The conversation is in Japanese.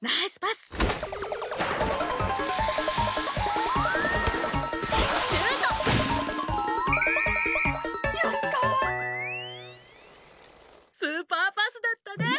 スーパーパスだったね！